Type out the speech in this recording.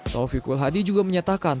taufiqul hadi juga menyatakan